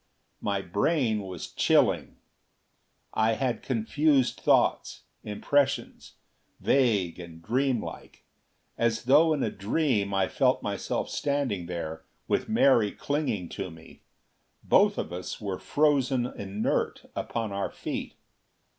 My brain was chilling. I had confused thoughts; impressions, vague and dreamlike. As though in a dream I felt myself standing there with Mary clinging to me. Both of us were frozen inert upon our feet.